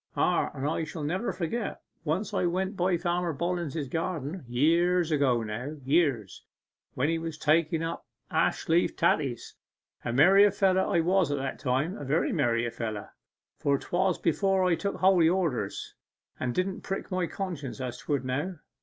Ah, I shall never forget once when I went by Farmer Bollens's garden years ago now years, when he was taking up ashleaf taties. A merry feller I was at that time, a very merry feller for 'twas before I took holy orders, and it didn't prick my conscience as 'twould now.